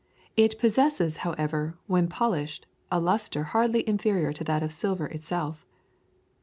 It possesses, however, when polished, a lustre hardly inferior to that of silver itself.